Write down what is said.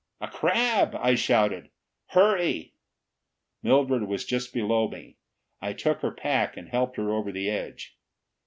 "A crab!" I shouted. "Hurry!" Mildred was just below me. I took her pack and helped her over the edge.